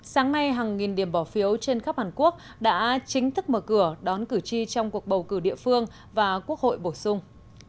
sáng nay hàng nghìn điểm bỏ phiếu trên khắp hàn quốc đã chính thức mở cửa đón cử tri trong cuộc bầu cử địa phương và quốc hội bổ sung